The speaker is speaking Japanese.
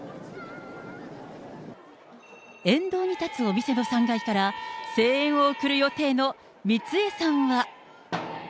沿道に建つお店の３階から、声援を送る予定の美津江さんは。